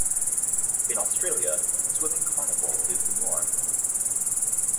In Australia "swimming carnival" is the norm.